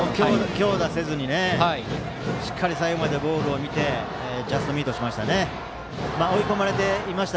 強打せずに、しっかり最後までボールを見てジャストミートしましたね。